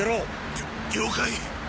りょ了解。